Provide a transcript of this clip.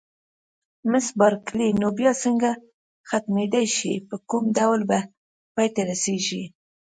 مس بارکلي: نو بیا څنګه ختمېدای شي، په کوم ډول به پای ته رسېږي؟